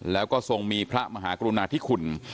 แล้วก็ทรงมีพระมหากรุณาธิคุณ